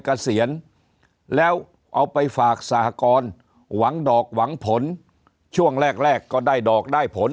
เกษียณแล้วเอาไปฝากสหกรหวังดอกหวังผลช่วงแรกแรกก็ได้ดอกได้ผล